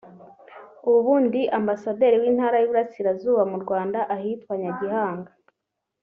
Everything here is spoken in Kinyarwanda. ubu ndi Ambasaderi w’Intara y’Uburasirazuba mu Rwanda ahitwa Nyagihanga